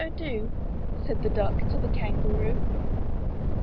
Oh, do!" Said the duck to the kangaroo.